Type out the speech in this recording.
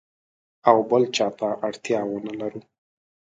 او بل چاته اړتیا ونه لرو.